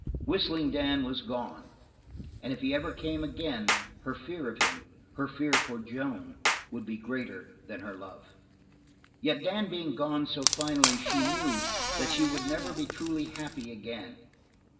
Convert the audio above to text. Whistling Dan was gone and if he ever came again her fear of him, her fear for Joan, would be greater than her love. Yet Dan being gone so finally, she knew that she would never be truly happy again.